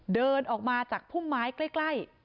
เดินออกมาจากพุ่มไม้ใกล้